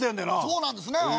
そうなんですね。